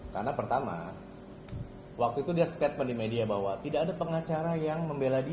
karena pertama waktu itu dia statement di media bahwa tidak ada pengacara yang membela dia